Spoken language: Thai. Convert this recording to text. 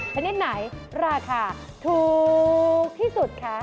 ชนิดไหนราคาถูกที่สุดคะ